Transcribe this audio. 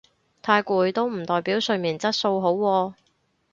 太攰都唔代表睡眠質素好喎